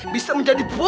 bisa menjadi bodoh